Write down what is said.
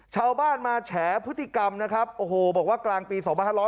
ชาวบ้านมาแฉพฤติกรรมนะครับโอ้โหบอกว่ากลางปี๒๕๖๐